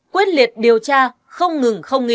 quyết liệt điều tra không ngừng không nghỉ